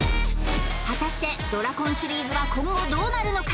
果たしてドラコンシリーズは今後どうなるのか？